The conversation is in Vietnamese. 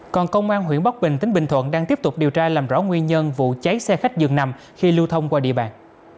còn công an huyện bắc bình tỉnh bình thuận đang tiếp tục điều tra làm rõ nguyên nhân vụ cháy xe khách dường nằm khi lưu thông qua địa bàn